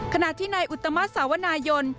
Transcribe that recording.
ขณะที่นายอุตมะสาวนายน